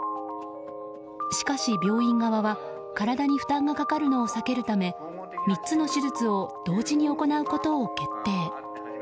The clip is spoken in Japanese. しかし、病院側は体に負担がかかるのを避けるため３つの手術を同時に行うことを決定。